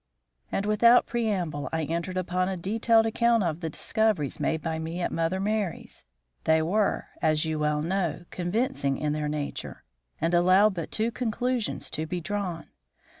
And, without preamble, I entered upon a detailed account of the discoveries made by me at Mother Merry's. They were, as you well know, convincing in their nature, and allowed but two conclusions to be drawn.